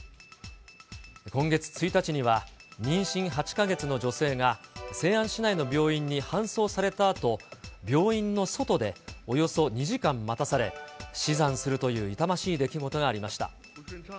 今月１日には、妊娠８か月の女性が、西安市内の病院に搬送されたあと、病院の外でおよそ２時間待たされ、死産するという痛ましい出来事がありました。